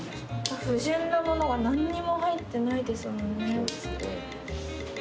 不純なものが何にも入ってないですもんね。